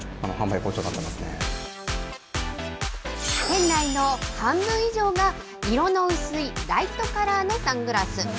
店内の半分以上が、色の薄いライトカラーのサングラス。